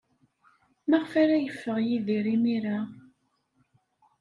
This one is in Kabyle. Maɣef ara yeffeɣ Yidir imir-a?